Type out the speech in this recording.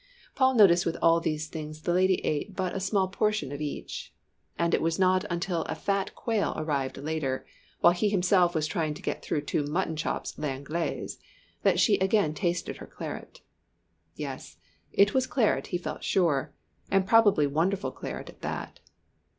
Paul noticed with all these things the lady ate but a small portion of each. And it was not until a fat quail arrived later, while he himself was trying to get through two mutton chops à l'anglaise, that she again tasted her claret. Yes, it was claret, he felt sure, and probably wonderful claret at that.